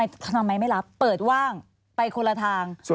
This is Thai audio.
ทำไมไม่รับเปิดว่างไปคนละทาง